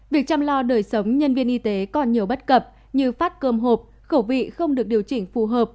việc chăm lo đời sống nhân viên y tế còn nhiều bất cập như phát cơm hộp khẩu vị không được điều chỉnh phù hợp